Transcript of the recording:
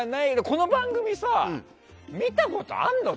この番組、見たことあるの？